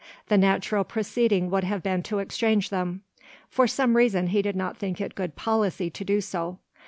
The natural proceeding would have been to exchange them. For some reason he did not think it good policy to do so.